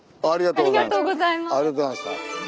ありがとうございます。